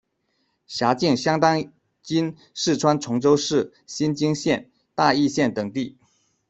辖境相当今四川崇州市、新津县、大邑县等地。